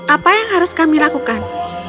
apa yang harus kami lakukan